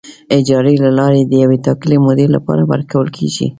اجارې له لارې د یوې ټاکلې مودې لپاره ورکول کیږي.